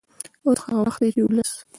اوس هغه وخت دی چې ولس